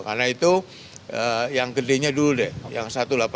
karena itu yang gedenya dulu deh yang satu ratus delapan puluh sembilan